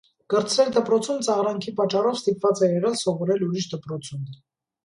Կրտսեր դպրոցում ծաղրանքի պատճառով ստիպված է եղել սովորել որիշ դպրոցում։